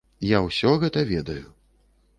Я ўсё гэта ведаю.